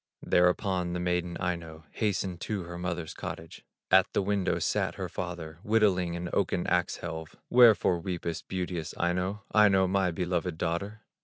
Thereupon the maiden, Aino, Hastened to her mother's cottage. At the window sat her father Whittling on an oaken ax helve: "Wherefore weepest, beauteous Aino, Aino, my beloved daughter?"